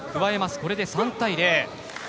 これで３対０。